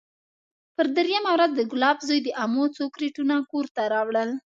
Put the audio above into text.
پر درېيمه ورځ د ګلاب زوى د امو څو کرېټونه کور ته راوړل.